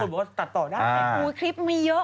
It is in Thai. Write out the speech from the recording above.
มีคนบอกว่าตัดต่อได้คลิปไม่เยอะมาก